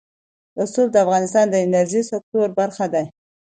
رسوب د افغانستان د انرژۍ سکتور برخه ده.